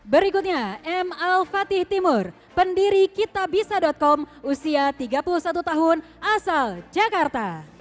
berikutnya m al fatih timur pendiri kitabisa com usia tiga puluh satu tahun asal jakarta